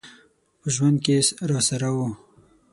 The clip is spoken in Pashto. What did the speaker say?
په ژوند کي راسره و .